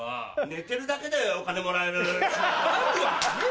寝てるだけでお金もらえる仕事。